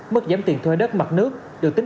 mức giảm tiền thuê đất mặt nước được tính